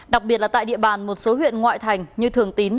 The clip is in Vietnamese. đặc biệt là tại địa bàn một số huyện ngoại thành như thường tín